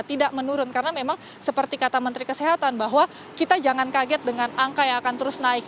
tidak menurun karena memang seperti kata menteri kesehatan bahwa kita jangan kaget dengan angka yang akan terus naik